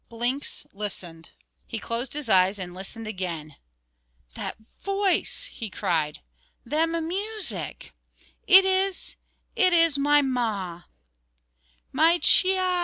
Blinks listened. He closed his eyes, and listened again. "That voice!" he cried, "them music! it is it is my ma."